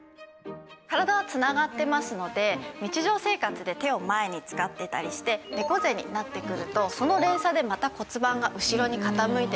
体は繋がってますので日常生活で手を前に使ってたりして猫背になってくるとその連鎖でまた骨盤が後ろに傾いてしまいます。